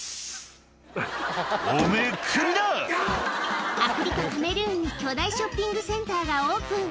おめぇ、アフリカ・カメルーンに巨大ショッピングセンターがオープン。